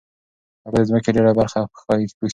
اوبه د ځمکې ډېره برخه پوښي.